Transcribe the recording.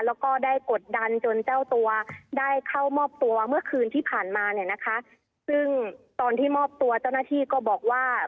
แล้วก็ได้กดดันจนเจ้าตัวได้เข้ามอบตัวเมื่อคืนที่ผ่านมาเนี่ยนะคะซึ่งตอนที่มอบตัวเจ้าหน้าที่ก็บอกว่า